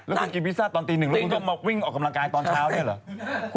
แล้วคุณกินพิซซ่าตอนตีหนึ่งแล้วคุณก็มาวิ่งออกกำลังกายตอนเช้าเนี่ยเหรอ